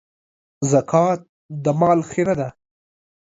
زکات د مال خيره ده.